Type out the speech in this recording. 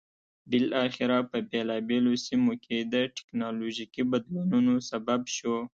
بالاخره په بېلابېلو سیمو کې د ټکنالوژیکي بدلونونو سبب شو.